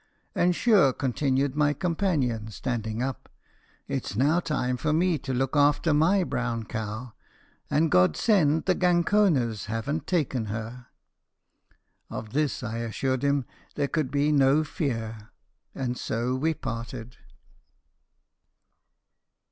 "And, sure," continued my companion, standing up, "it is now time for me to look after my brown cow, and God send the ganconers haven't taken her!" Of this I assured him there could be no fear; and so we parted.